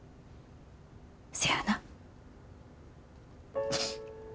せやな。